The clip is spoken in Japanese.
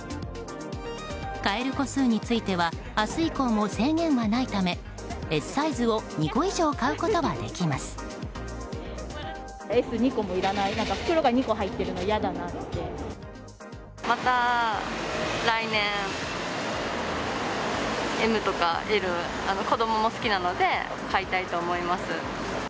買える個数については明日以降も制限はないためＳサイズを２個以上買うことはできます。